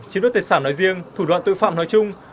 chiếm đoạt tài sản nói riêng thủ đoạn tội phạm nói chung